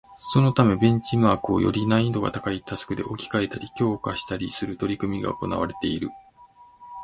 そのためベンチマークをより難易度が高いタスクで置き換えたり、強化したりする取り組みが行われている